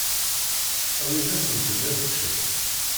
Awit-asent-d ad ččen.